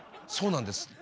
そうなんです。